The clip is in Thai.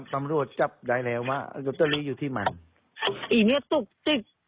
ตำรวจจับได้แล้วว่าลอตเตอรี่อยู่ที่ไหนอีเนี้ยตุ๊กติ๊ก